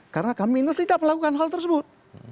karena kami itu tidak melakukan hal tersebut